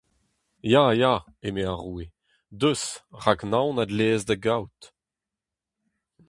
Ya, ya, eme ar roue, deus, rak naon a dleez da gaout.